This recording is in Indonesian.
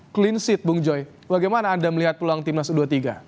cleansit bung joy bagaimana anda melihat peluang timnas u dua puluh tiga